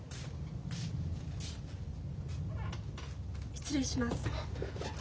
・・失礼します。